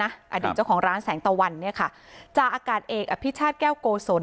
อดีตเจ้าของร้านแสงตะวันเนี่ยค่ะจ่าอากาศเอกอภิชาติแก้วโกศล